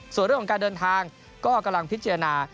ส่วนเรื่องของการเดินทางก็กำลังพิจารณา